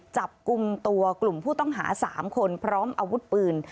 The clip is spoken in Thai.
จับกลุ่มตัวกลุ่มผู้ต้องหา๓คนพร้อมอาวุธปืน